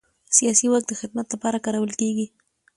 سیاسي واک د خدمت لپاره کارول کېږي